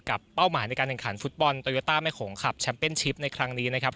เป้าหมายในการแข่งขันฟุตบอลโตโยต้าแม่โขงขับแชมป์เป็นชิปในครั้งนี้นะครับ